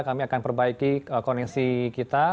kami akan perbaiki koneksi kita